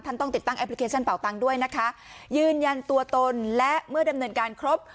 ต้องติดตั้งแอปพลิเคชันเป่าตังค์ด้วยนะคะยืนยันตัวตนและเมื่อดำเนินการครบ